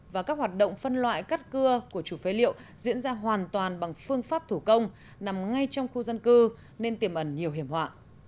và các hoạt động phân loại cắt cưa của chủ phế liệu diễn ra hoàn toàn bằng phương pháp thủ công nằm ngay trong khu dân cư nên tiềm ẩn nhiều hiểm họa